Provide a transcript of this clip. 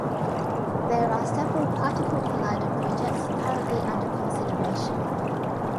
There are several particle collider projects currently under consideration.